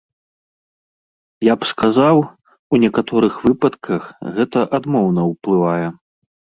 Я б сказаў, у некаторых выпадках гэта адмоўна ўплывае.